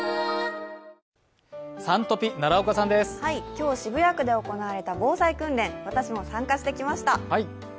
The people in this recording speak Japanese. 今日、渋谷区で行われた防災訓練、私も参加してきました。